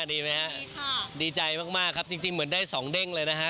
ดีไหมฮะค่ะดีใจมากครับจริงเหมือนได้สองเด้งเลยนะฮะ